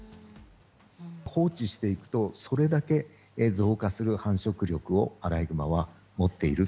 放置していくと、それだけ増加する繁殖力を、アライグマは持っている。